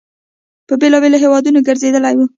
په بېلابېلو هیوادونو ګرځېدلی وي.